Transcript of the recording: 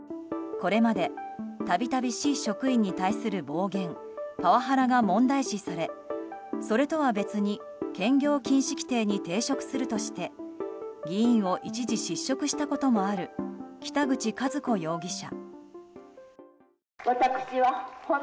これまで度々、市職員に対する暴言、パワハラが問題視されそれとは別に兼業禁止規定に抵触するとして議員を一時失職したこともある北口和皇容疑者。